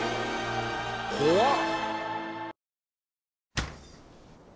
怖っ！